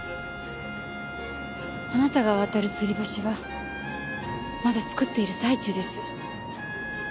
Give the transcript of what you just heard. あなたが渡るつり橋はまだ造っている最中です。